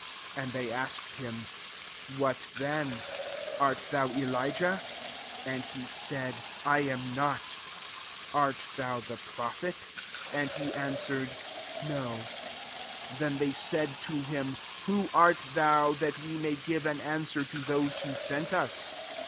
21 And they asked him, " What then ? Art thou Elijah ?" and he said, «< I am not " Art thou the prophet ?*' and he answered, "No." 22 Then they said to him, " Who art thou ? that we may ^give an answer to those who sent us.